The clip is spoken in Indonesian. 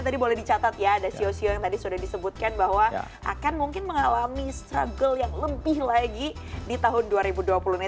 tadi boleh dicatat ya ada sio sio yang tadi sudah disebutkan bahwa akan mungkin mengalami struggle yang lebih lagi di tahun dua ribu dua puluh ini